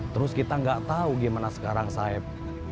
terus kita gak tahu gimana sekarang saeb